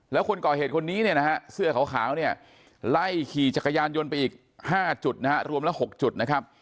แล้วคนก่อเหตุคนนี้เนี่ยนะฮะเสื้อขาวเนี่ยไล่ขี่จักรยานยนต์ไปอีก๕จุดนะฮะรวมละ๖จุดนะครับ